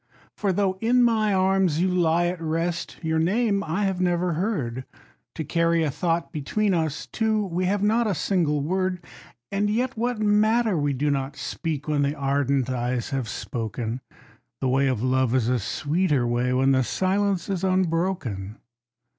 For though in my arms you lie at rest, your name I have never heard, To carry a thought between us two, we have not a single word. And yet what matter we do not speak, when the ardent eyes have spoken, The way of love is a sweeter way, when the silence is unbroken.